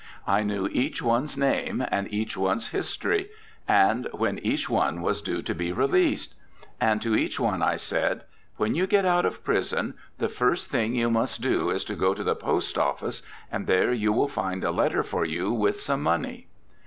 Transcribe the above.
I knew each one's name and each one's history, and when each was due to be released. And to each one I said, "When you get out of prison, the first thing you must do is to go to the Post Office, and there you will find a letter for you with some money."